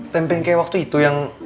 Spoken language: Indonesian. tempe yang kayak waktu itu yang